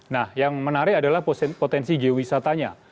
nah yang menarik adalah potensi geowisatanya